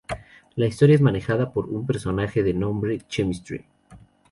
La historia es manejada por un personaje de nombre Chemistry.